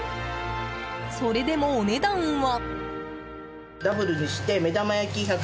それでも、お値段は。